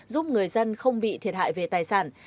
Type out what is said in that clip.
giúp người dân không bị thiệt hại về tài sản